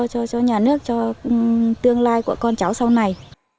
cho nhà nước cho tương lai của con cháu sau này